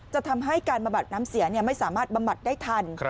ทำให้การบำบัดน้ำเสียไม่สามารถบำบัดได้ทัน